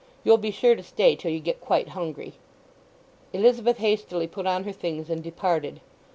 You'll be sure to stay till you get quite hungry." Elizabeth hastily put on her things and departed.